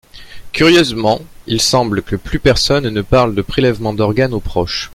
Curieusement, il semble que plus personne ne parle de prélèvement d’organes aux proches.